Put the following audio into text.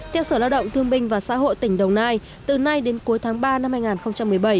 theo sở lao động thương binh và xã hội tỉnh đồng nai từ nay đến cuối tháng ba năm hai nghìn một mươi bảy